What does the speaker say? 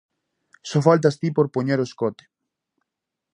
Só faltas ti por poñer o escote.